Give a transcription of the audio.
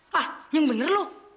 hah yang bener lo